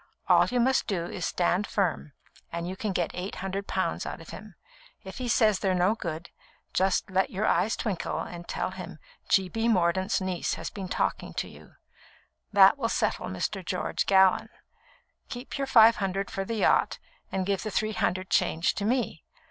All you must do is to stand firm, and you can get eight hundred pounds out of him. If he says they're no good, just let your eyes twinkle and tell him G. B. Mordaunt's niece has been talking to you. That will settle Mr. George Gallon! Keep your five hundred for the yacht, and give the three hundred change to me.